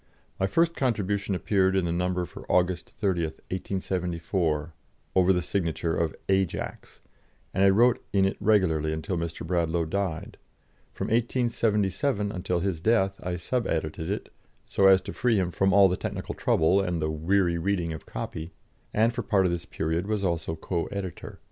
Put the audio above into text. My first contribution appeared in the number for August 30, 1874, over the signature of "Ajax," and I wrote in it regularly until Mr. Bradlaugh died; from 1877 until his death I sub edited it, so as to free him from all the technical trouble and the weary reading of copy, and for part of this period was also co editor.